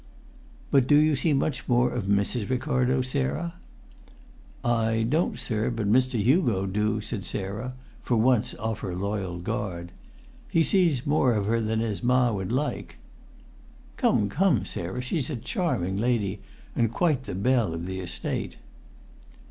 "But do you see much more of Mrs. Ricardo, Sarah?" "I don't, sir, but Mr. Hugo do," said Sarah, for once off her loyal guard. "He sees more of her than his ma would like." "Come, come, Sarah! She's a charming lady, and quite the belle of the Estate."